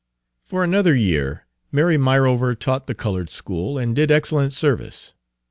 For another year Mary Myrover taught the colored school, and did excellent service.